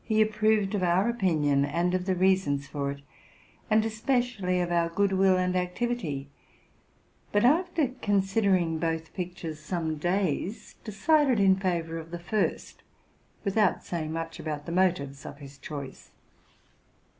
He approved of our opinion, and of the reasons for it, and especially of our good will and activity ; but, after considering both pictures some days, decided in favor of the first, without saying much about the motives of his choice.